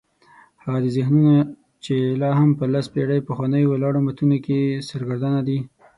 هغه ذهنونه چې لا هم په لس پېړۍ پخوانیو ولاړو متونو کې سرګردانه دي.